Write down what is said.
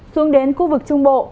xuống đến khu vực trung bộ